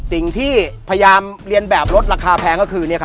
สิ่งที่พยายามเรียนแบบลดราคาแพงก็คือ